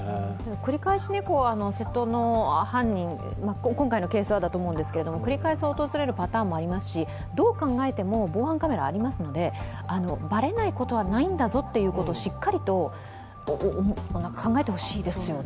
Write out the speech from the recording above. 繰り返し窃盗の犯人、今回のケースはだと思うんですけど、繰り返し訪れるパターンもありますしどう考えても、防犯カメラありますので、バレないことはないんだぞというとをしっかりと考えてほしいですよね。